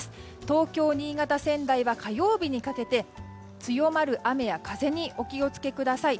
東京、新潟、仙台は火曜日にかけて強まる雨や風にお気を付けください。